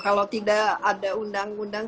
kalau tidak ada undang undang